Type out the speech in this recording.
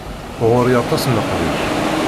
Ɣuṛ-i aṭas n leqdic.